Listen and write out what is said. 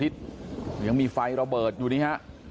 ที่ยังมีไฟระเบิดอยู่นี้ครับ